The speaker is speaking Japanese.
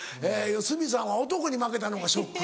鷲見さんは男に負けたのがショック。